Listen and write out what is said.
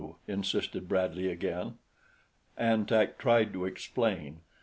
insisted Bradley again. An Tak tried to explain.